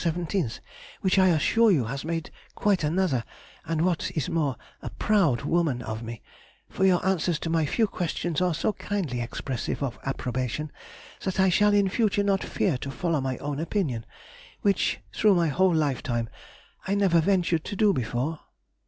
17th, which I assure you has made quite another (and what is more) a proud woman of me; for your answers to my few questions are so kindly expressive of approbation, that I shall in future not fear to follow my own opinion, which through my whole lifetime I never ventured to do before.